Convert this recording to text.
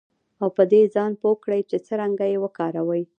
او په دې ځان پوه کړئ چې څرنګه یې وکاروئ